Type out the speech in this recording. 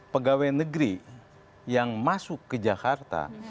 pegawai negeri yang masuk ke jakarta